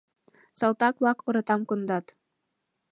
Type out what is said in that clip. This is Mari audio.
Салтак-влак оратам кондат.